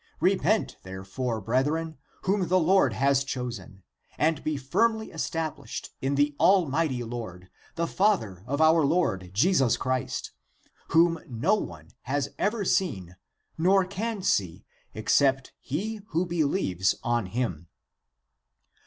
Repent, therefore, brethren, whom the Lord has chosen, and be firmly established in the Al mighty Lord, the Father of our Lord Jesus Christ, whom no one has ever seen nor can see except he who believes on him.